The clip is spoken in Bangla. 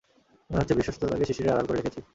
মনে হচ্ছে, বিশ্বস্ততাকে শিশিরের আড়াল করে রেখেছি।